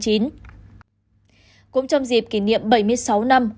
cũng trong dịp kỷ niệm bảy mươi sáu năm